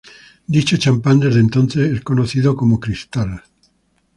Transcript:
Dicho champán, desde entonces, es conocido como "Cristal".